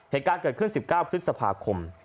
เหตุการณ์เกิดขึ้น๑๙พฤษภาคม